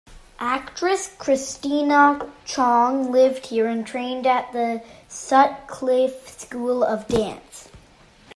Actress Christina Chong lived here and trained at the Sutcliffe School of Dance.